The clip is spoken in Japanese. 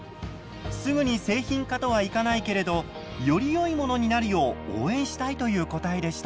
すぐに製品化とはいかないけれどよりよいものになるよう応援したいという答えでした。